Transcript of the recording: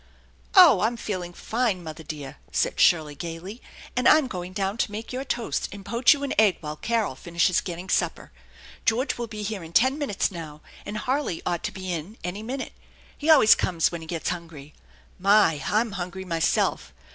" Oh, I'm feeling fine, mother dear !" said Shirley gayly, " and I'm going down to make your toast and poach you an egg while Carol finishes getting supper. Greorge will be here in ten minutes now, and Harley ought to be in any minute. He always comes when he gets hungry. My! I'm hungry myself